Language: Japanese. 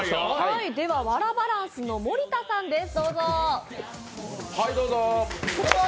ではワラバランスの盛田さんです。